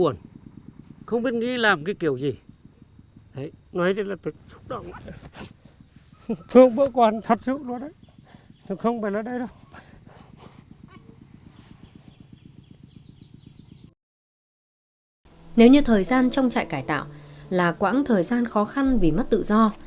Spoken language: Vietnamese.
nếu như thời gian trong trại cải tạo là quãng thời gian khó khăn vì mất tự do